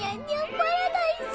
パラダイス。